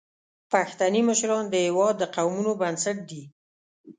پښتني مشران د هیواد د قومونو بنسټ دي.